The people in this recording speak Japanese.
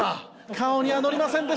顔にはのりませんでした。